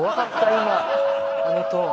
今あのトーン